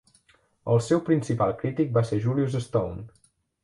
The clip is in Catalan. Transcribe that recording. El seu principal crític va ser Julius Stone.